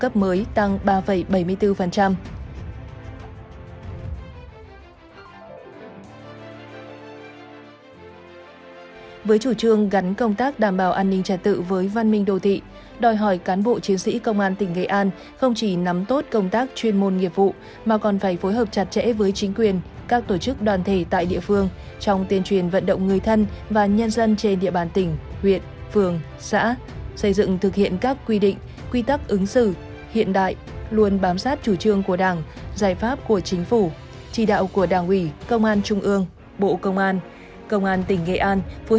bộ công an công an tỉnh nghệ an phối hợp chặt chẽ với các cấp các ngành cũng như sự chỉ đạo của tỉnh ủy